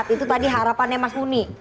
itu tadi harapannya mas muni